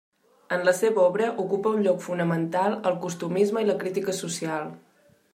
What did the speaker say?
En la seva obra ocupa un lloc fonamental el costumisme i la crítica social.